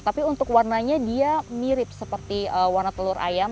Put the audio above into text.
tapi untuk warnanya dia mirip seperti warna telur ayam